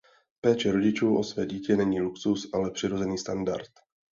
Péče rodičů o své dítě není luxus, ale přirozený standard.